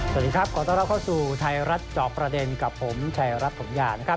สวัสดีครับขอต้อนรับเข้าสู่ไทยรัฐจอบประเด็นกับผมชายรัฐถมยานะครับ